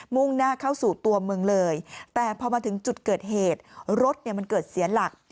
่งหน้าเข้าสู่ตัวเมืองเลยแต่พอมาถึงจุดเกิดเหตุรถเนี่ยมันเกิดเสียหลัก